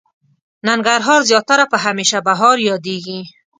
ننګرهار زياتره په هميشه بهار ياديږي.